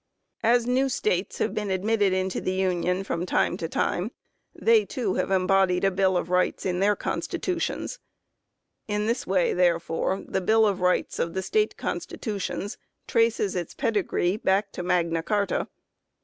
As new States have been admitted into the Union from time to time, they too have embodied a Bill of Rights in their constitutions. In this way, therefore, the Bill of Rights of the State Constitutions traces its pedigree back to Magna Carta.